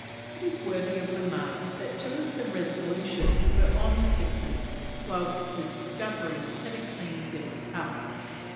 It is worthy of remark that two of the Resolution were on the sick list, whilst the Discovery had a clean bill of health.